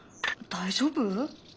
大丈夫？